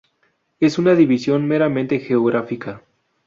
Es una división meramente geográfica.